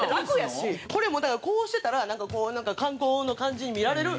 これもだからこうしてたらなんか観光の感じに見られる。